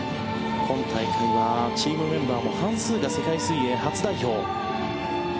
今大会は、チームメンバーも半数が世界水泳初代表。